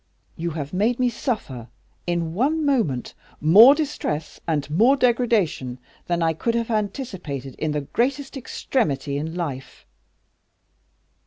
You have made me suffer in one moment more distress and more degradation than I could have anticipated in the greatest extremity in life."